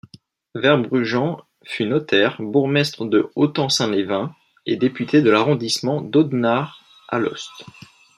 Verbrugghen fut notaire, bourgmestre de Hautem-Saint-Liévin et député de l'arrondissement d'Audenarde-Alost.